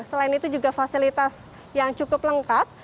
selain itu juga fasilitas yang cukup lengkap